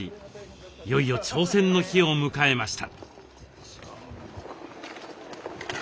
いよいよ挑戦の日を迎えました。